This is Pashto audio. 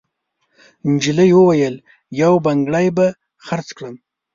نجلۍ وویل: «یو بنګړی به خرڅ کړم.»